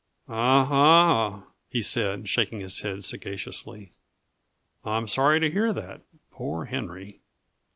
"Ah, ah!" he said, shaking his head sagaciously, "I'm sorry to hear that. Poor Henry!"